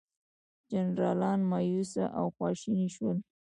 جنرالان مأیوس او خواشیني شول.